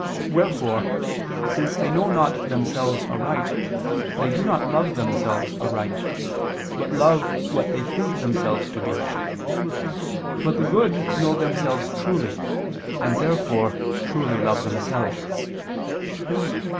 Wherefore, since they know not themselves aright, they do not love themselves aright, but love what they think themselves to be. But the good know themselves truly, and therefore truly love themselves.